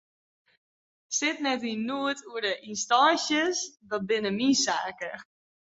Sit net yn noed oer de ynstânsjes, dat binne myn saken.